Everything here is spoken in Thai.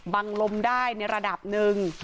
ลมได้ในระดับหนึ่ง